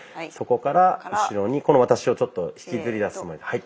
そこから後ろにこの私をちょっと引きずり出すつもりで。